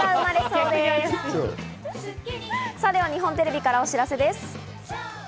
日本テレビからお知らせです。